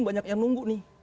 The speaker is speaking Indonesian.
banyak yang nunggu nih